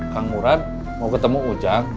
kang murad mau ketemu ujang